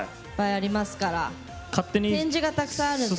展示がたくさんあるので。